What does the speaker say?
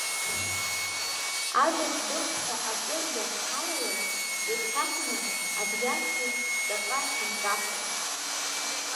Адых-дыхҳәа акыр ианхалалак, ихьаҳәны, абжьас еиԥш, ҵаҟа инкаԥон.